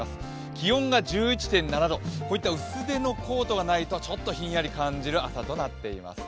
気温が１１．７度、こういった薄手のコートがないとちょっとひんやりと感じる朝となっています。